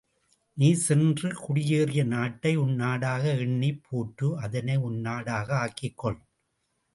நீ சென்று குடியேறிய நாட்டை உன் நாடாக எண்ணிப் போற்று அதனை உன் நாடாக ஆக்கிக்கொள்.